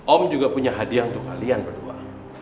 om juga punya hadiah untuk kalian berdua